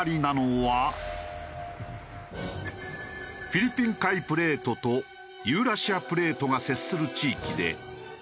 フィリピン海プレートとユーラシアプレートが接する地域で。